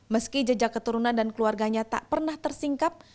meski jejak keturunan dan keluarganya tak pernah tersingkap